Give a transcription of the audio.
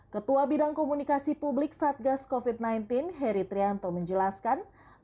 ketua bidang komunikasi publik satgas covid sembilan belas heri trianto menjelaskan